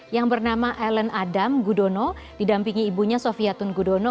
yang bernama alan adam gudono didampingi ibunya sofia tun gudono